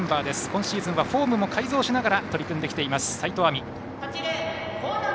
今シーズンはフォームも改造しながら取り組んできています、齋藤愛美。